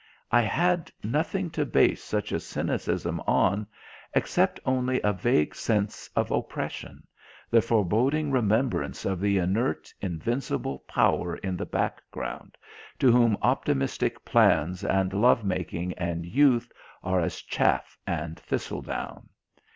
I had nothing to base such a cynicism on, except only a vague sense of oppression, the foreboding remembrance of the inert invincible power in the background, to whom optimistic plans and love making and youth are as chaff and thistledown.